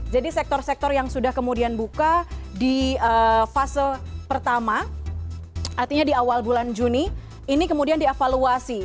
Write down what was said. sektor sektor yang sudah kemudian buka di fase pertama artinya di awal bulan juni ini kemudian dievaluasi